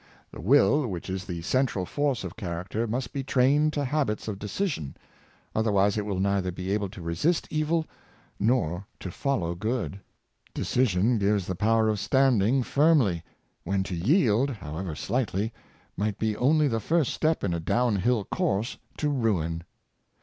The will, which is the central force of character must be trained to habits of decision — otherwise it will neither be able to resist evil nor to follow good. Decision gives the power of standing firmly, when to yield, however slightly, might be only the first step in a down hill course to ruin.